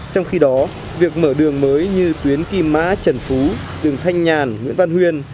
trong khi đó việc mở đường mới như tuyến kim mã trần phú đường thanh nhàn nguyễn văn huyên